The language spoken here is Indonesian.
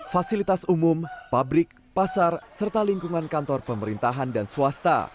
fasilitas umum pabrik pasar serta lingkungan kantor pemerintahan dan swasta